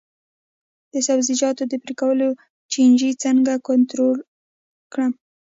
د سبزیجاتو د پرې کولو چینجي څنګه کنټرول کړم؟